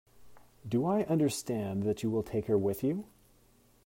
Do I understand that you will take her with you?